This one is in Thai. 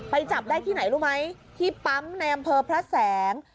จับได้ที่ไหนรู้ไหมที่ปั๊มในอำเภอพระแสง